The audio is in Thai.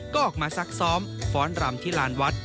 ก็ออกมาซักซ้อมฟ้อนรำที่ลานวัด